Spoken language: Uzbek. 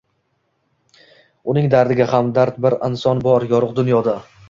uning dardiga hamdard bir inson bor yorug' dunyoda...